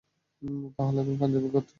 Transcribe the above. তাহলে তুমি পাঞ্জাবি ক্ষত্রিয়।